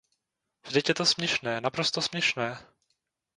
Vždyť je to směšné, naprosto směšné.